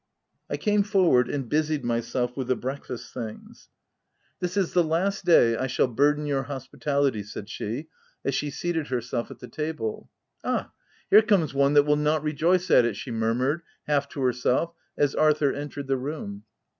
■ I came forward and busied myself with the breakfast things. 318 THE TENANT " This is the last day I shall burden your hospitality," said she, as she seated herself at the table. H Ah, here comes one that will not rejoice at it P' she murmured, half to herself, as Arthur entered the room.